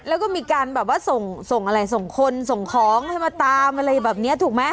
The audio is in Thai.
แล้วก็มีการส่งคนส่งของให้มาตามอะไรแบบนี้ถูกไหม